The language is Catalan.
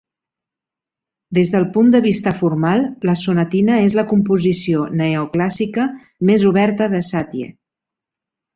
Des del punt de vista formal, la sonatina és la composició neoclàssica més oberta de Satie.